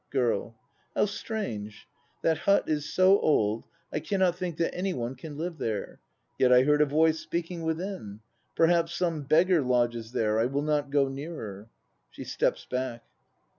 GIRL. How strange! That hut is so old, I cannot think that any one can live there. Yet I heard a voice speaking within. Perhaps some beggar lodges there; I will not go nearer. (She steps back.)